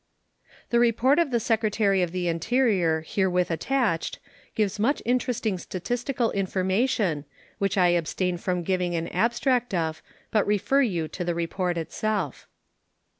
The report of the Secretary of the Interior herewith attached gives much interesting statistical information, which I abstain from giving an abstract of, but refer you to the report itself.